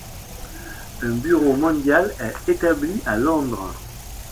Un Bureau mondial est établi à Londres.